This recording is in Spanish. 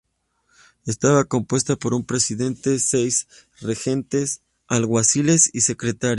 Estaba compuesto por un presidente, seis regentes, alguaciles y secretarios.